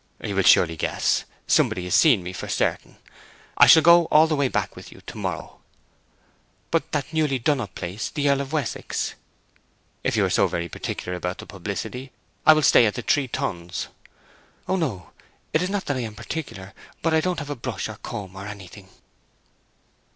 "He will surely guess—somebody has seen me for certain. I'll go all the way back with you to morrow." "But that newly done up place—the Earl of Wessex!" "If you are so very particular about the publicity I will stay at the Three Tuns." "Oh no—it is not that I am particular—but I haven't a brush or comb or anything!"